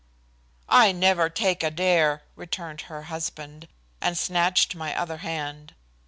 '" "I never take a dare," returned her husband, and snatched my other hand.